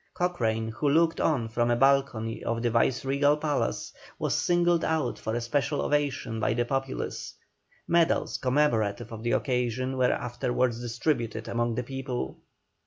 Cochrane, who looked on from a balcony of the viceregal palace, was singled out for a special ovation by the populace. Medals commemorative of the occasion were afterwards distributed among the people.